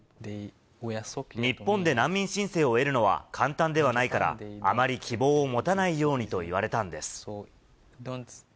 日本で難民申請を得るのは簡単ではないから、あまり希望を持たないようにと言われたんです。